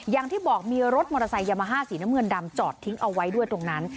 อย่างที่บอกมีรถมอเตอร์ไซค์ยามาฮ่าสีน้ำเงินดำจอดทิ้งเอาไว้ด้วยตรงนั้น